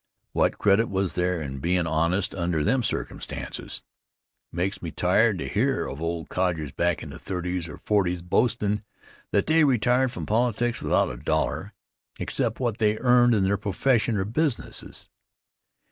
What credit was there in bein' honest under them circumstances'? It makes me tired to hear of old codgers back in the thirties or forties boastin' that they retired from politics without a dollar except what they earned in their profession or business.